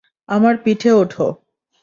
আমার পিঠে ওঠো।